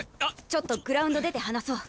ちょっとグラウンド出て話そう。